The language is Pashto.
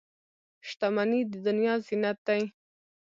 • شتمني د دنیا زینت دی.